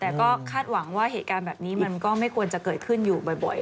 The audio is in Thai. แต่ก็คาดหวังว่าเหตุการณ์แบบนี้มันก็ไม่ควรจะเกิดขึ้นอยู่บ่อย